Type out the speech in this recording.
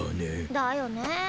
だよねえ。